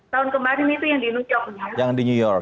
tahun kemarin itu yang di new york